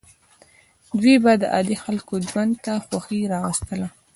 دوی به د عادي خلکو ژوند ته خوښي راوستله.